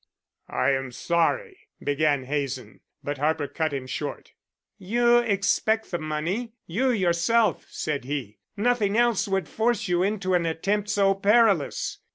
"I am sorry," began Hazen. But Harper cut him short. "You expect the money you yourself," said he. "Nothing else would force you into an attempt so perilous.